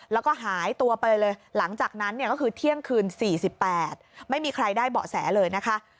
แล้วก็หายตัวไปเลยหลังจากนั้นเนี่ยก็คือเที่ยงคืน๔๘ไม่มีใครได้เบาะแสเลยนะคะ